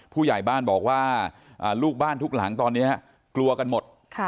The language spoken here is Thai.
ผู้ใหญ่บ้านบอกว่าลูกบ้านทุกหลังตอนนี้กลัวกันหมด